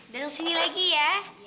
datang sini lagi ya